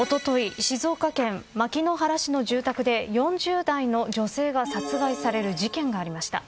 静岡県牧之原市の住宅で４０代の女性が殺害される事件がありました。